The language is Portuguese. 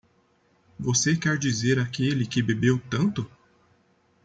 Você quer dizer aquele que bebeu tanto?